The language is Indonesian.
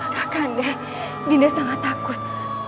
kakak anda dinda sangat takut